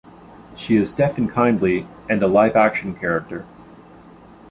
She is deaf and kindly and a live action character.